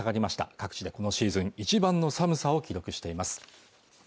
各地でこのシーズン一番の寒さを記録しています